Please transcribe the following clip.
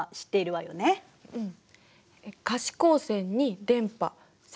うん。